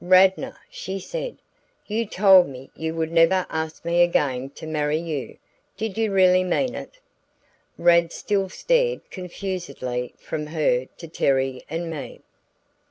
"Radnor," she said, "you told me you would never ask me again to marry you. Did you really mean it?" Rad still stared confusedly from her to Terry and me.